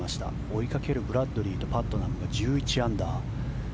追いかけるブラッドリーとパットナムが１１アンダー。